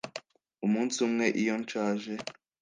umunsi umwe iyo nshaje ..